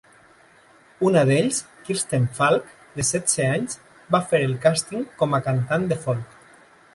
Una d'ells, Kirsten Falke, de setze anys, va fer el càsting com a cantant de folk.